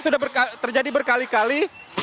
sudah terjadi berkali kali